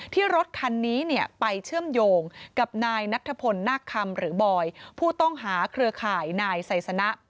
รถคันนี้ไปเชื่อมโยงกับนายนัทพลนาคคำหรือบอยผู้ต้องหาเครือข่ายนายไซสนะ